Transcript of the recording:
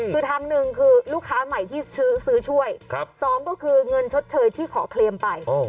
คือทางหนึ่งคือลูกค้าใหม่ที่ซื้อช่วยสองก็คือเงินชดเชยที่ขอเคลมไป